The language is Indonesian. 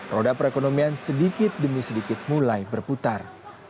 roda perekonomian sedikit demi sedikit mulai berputar